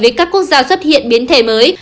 với các quốc gia xuất hiện biến thể mới